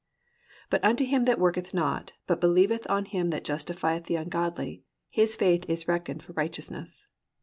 "But to him that worketh not, but believeth on him that justifieth the ungodly, his faith is reckoned for righteousness."